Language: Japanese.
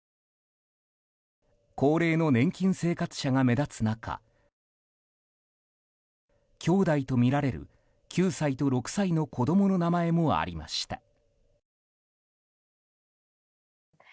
高齢の年金生活者が目立つ中きょうだいとみられる９歳と６歳の子供の名前もありました。